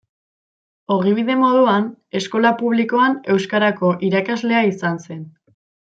Ogibide moduan Eskola Publikoan euskarako irakaslea izan zen.